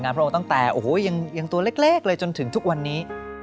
พระองค์ตั้งแต่โอ้โหยังตัวเล็กเลยจนถึงทุกวันนี้